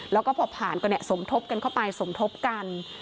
แล้วก็พอผ่านก็สมทบกันเข้าไปสมทบกัน